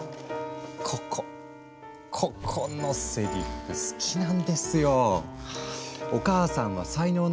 ここここのせりふ好きなんですよ。